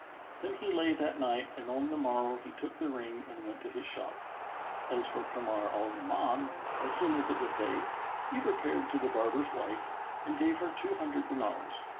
Then he lay that night and on the morrow he took the ring and went to his shop. As for Kamar al Zaman, as soon as it was day, he repaired to the barber's wife and gave her two hundred dinars.